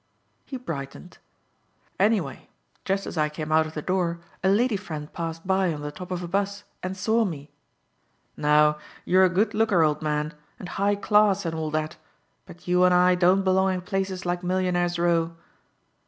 He brightened. "Anyway just as I came out of the door a lady friend passed by on the top of a 'bus and saw me. Now you're a good looker, old man, and high class and all that, but you and I don't belong in places like Millionaires' Row."